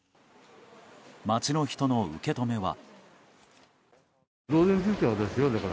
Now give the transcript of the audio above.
街の人の受け止めは。